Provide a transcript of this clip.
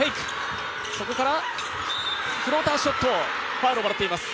ファウルをもらっています。